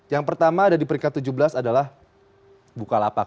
yang pertama ada di peringkat tujuh belas adalah bukalapak